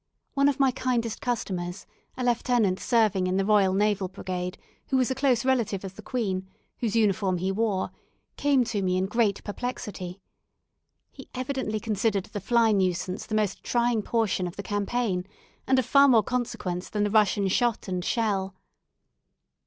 One of my kindest customers, a lieutenant serving in the Royal Naval Brigade, who was a close relative of the Queen, whose uniform he wore, came to me in great perplexity. He evidently considered the fly nuisance the most trying portion of the campaign, and of far more consequence than the Russian shot and shell.